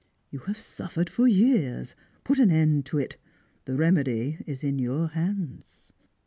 You have suffered for years; put an end to it; the remedy is in your hands.